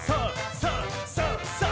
さあ！さあ！」